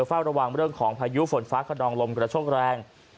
อย่างเจอในเวลาภายุฟลฟ้าขนองลมกระโชคแรง